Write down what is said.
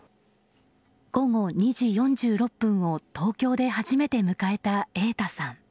午後２時４６分を東京で初めて迎えた瑛太さん。